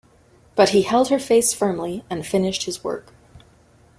But he held her face firmly and finished his work.